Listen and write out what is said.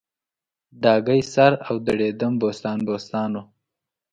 ډاګی سر او دړیدم بوستان بوستان و